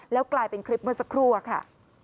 แล้วกลายเป็นคลิปเมื่อสักครู่อะค่ะ